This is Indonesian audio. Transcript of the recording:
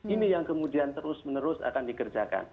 ini yang kemudian terus menerus akan dikerjakan